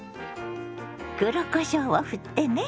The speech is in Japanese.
黒こしょうをふってね。